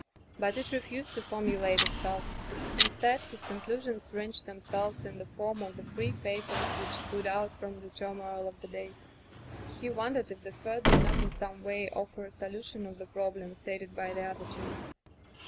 But it refused to formulate itself. Instead, his conclusions ranged them selves in the form of the three faces which stood out from the turmoil of the day. He wondered if the third did not in some way offer a solution of the problem stated by the other two.